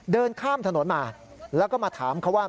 เดินข้ามถนนมาแล้วก็มาถามเขาว่า